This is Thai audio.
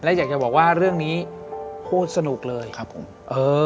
และอยากจะบอกว่าเรื่องนี้พูดสนุกเลยครับผมเออ